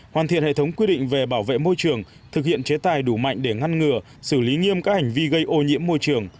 hoàn thiện hệ thống quy định về bảo vệ môi trường thực hiện chế tài đủ mạnh để ngăn ngừa xử lý nghiêm các hành vi gây ô nhiễm môi trường